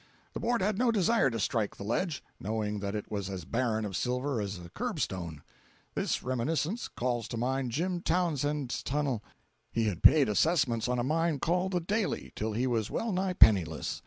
] The Board had no desire to strike the ledge, knowing that it was as barren of silver as a curbstone. This reminiscence calls to mind Jim Townsend's tunnel. He had paid assessments on a mine called the "Daley" till he was well nigh penniless.